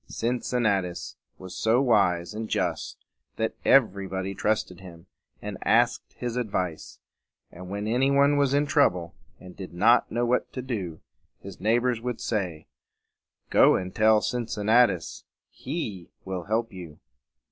Cin cin na tus was so wise and just that every body trusted him, and asked his advice; and when any one was in trouble, and did not know what to do, his neighbors would say, "Go and tell Cincinnatus. He will help you."